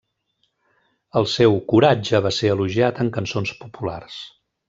El seu coratge va ser elogiat en cançons populars.